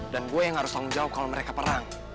dan gue yang harus tanggung jawab kalau mereka perang